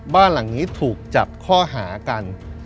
บ้านหลังนี้ถูกจับข้อหากัน